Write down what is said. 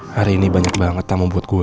hari ini banyak banget tamu buat kue